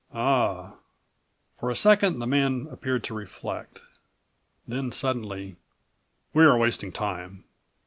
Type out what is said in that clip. "Ah!" For a second the man appeared to reflect. Then suddenly: "We are wasting time.